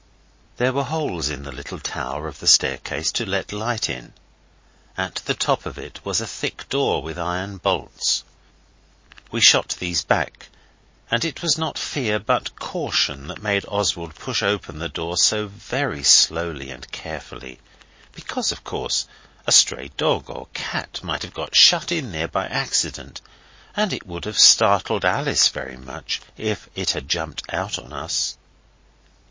There were holes in the little tower of the staircase to let light in. At the top of it was a thick door with iron bolts. We shot these back, and it was not fear but caution that made Oswald push open the door so very slowly and carefully. Because, of course, a stray dog or cat might have got shut up there by accident, and it would have startled Alice very much if it had jumped out on us.